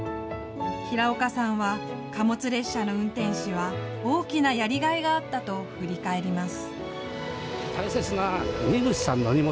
平岡さんは貨物列車の運転士は大きなやりがいがあったと振り返ります。